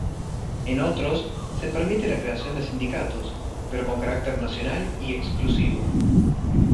En otros, se permite la creación de sindicatos, pero con carácter nacional y exclusivo.